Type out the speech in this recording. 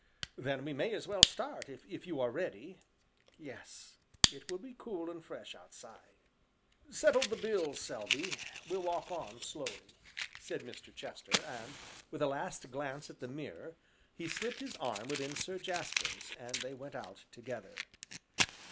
"Then we may as well start, if you are ready?" "Yes, it will be cool and fresh, outside." "Settle the bill, Selby, we'll walk on slowly," said Mr. Chester, and, with a last glance at the mirror, he slipped his arm within Sir Jasper's, and they went out together.